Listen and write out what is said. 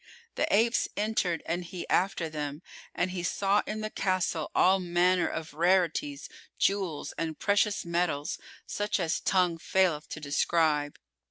The apes entered and he after them, and he saw in the castle all manner of rarities, jewels and precious metals such as tongue faileth to describe.